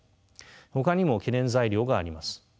ほかにも懸念材料があります。